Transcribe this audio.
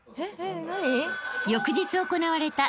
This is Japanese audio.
［翌日行われた］